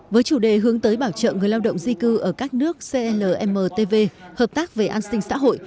với chủ đề hướng tới bảo trợ người lao động di cư ở các nước clmtv hợp tác về an sinh xã hội